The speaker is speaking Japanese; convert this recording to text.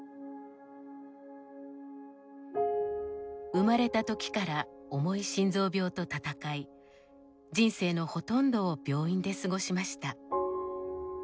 生まれたときから重い心臓病と闘い人生のほとんどを病院で過ごしました。